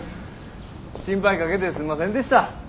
心配かけてすんませんでした。